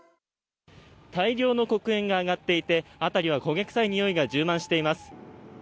大量の黒煙が上がっていて、辺りは焦げ臭いにおいが充満しています。